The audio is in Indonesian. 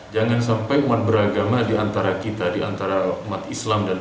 jangan sampai umat beragama di antara kita di antara umat islam dan kita